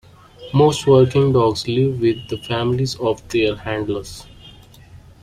Most working dogs live with the families of their handlers.